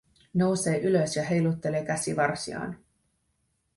Nousee ylös ja heiluttelee käsivarsiaan.